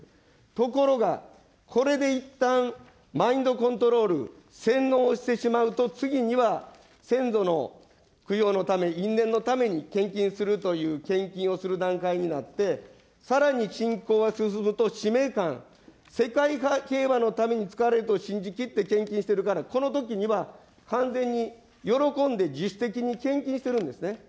ところが、これでいったんマインドコントロール、洗脳をしてしまうと次には、先祖の供養のため、因縁のために献金するという献金をする段階になって、さらに信仰が進むと使命感、世界平和のために使われると信じ切って献金してるから、このときには完全に喜んで自主的に献金しているんですね。